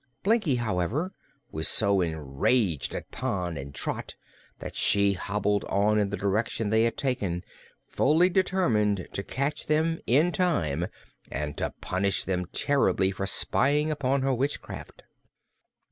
Blinkie, however, was so enraged at Pon and Trot that she hobbled on in the direction they had taken, fully determined to catch them, in time, and to punish them terribly for spying upon her witchcraft.